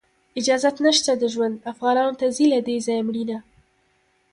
اجازت نشته د ژوند، افغانانو ته ځي له دې ځایه مړینه